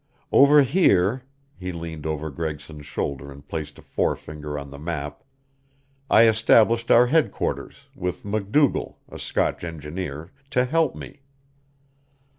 Over here" he leaned over Gregson's shoulder and placed a forefinger on the map "I established our headquarters, with MacDougall, a Scotch engineer, to help me.